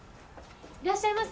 いらっしゃいませ。